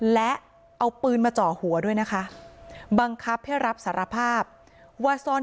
และเอาปืนมาเจาะหัวด้วยนะคะบังคับให้รับสารภาพว่าซ่อน